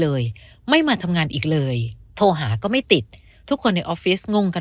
เลยไม่มาทำงานอีกเลยโทรหาก็ไม่ติดทุกคนในออฟฟิศงงกัน